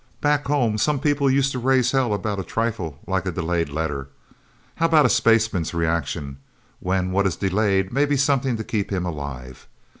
Back home, some people used to raise hell about a trifle like a delayed letter. How about a spaceman's reaction, when what is delayed may be something to keep him alive?